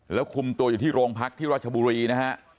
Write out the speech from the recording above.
แล้วคุมตัวอยู่ที่โรงพักที่ราชบุรีนะฮะ